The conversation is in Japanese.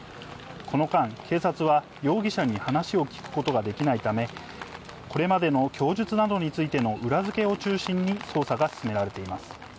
この間、警察は容疑者に話を聴くことができないため、これまでの供述などについての裏付けを中心に捜査が進められています。